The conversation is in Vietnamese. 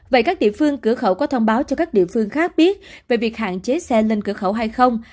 vậy các địa phương cửa khẩu có thông báo cho các địa phương khác biết về việc hạn chế xe lên cửa khẩu hay không